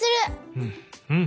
うんうん！